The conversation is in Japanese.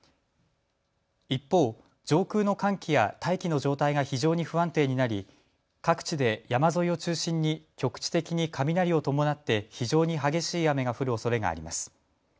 一方、上空の寒気や大気の状態が非常に不安定になり各地で山沿いを中心に局地的に雷を伴って非常に激しい雨が降るおそれがあります。